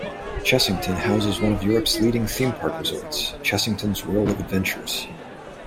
Chessington houses one of the Europe's leading theme park resorts Chessington World of Adventures.